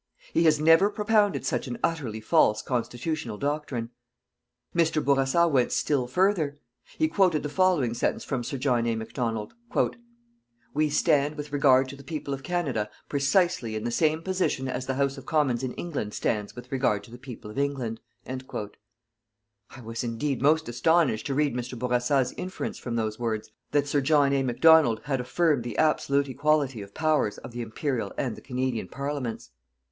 He has never propounded such an utterly false constitutional doctrine. Mr. Bourassa went still further. He quoted the following sentence from Sir John A. Macdonald: "_We stand with regard to the people of Canada precisely in the same position as the House of Commons in England stands with regard to the people of England_." I was indeed most astonished to read Mr. Bourassa's inference from those words that Sir John A. Macdonald had affirmed the absolute equality of powers of the Imperial and the Canadian Parliaments.